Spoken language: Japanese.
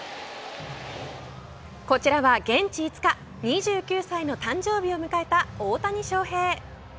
こちらは現地５日２９歳の誕生日を迎えた大谷翔平。